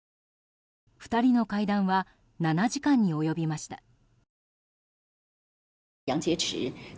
２人の会談は７時間に及びました。